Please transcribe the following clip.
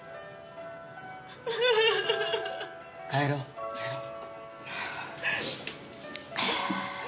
帰ろう帰ろう。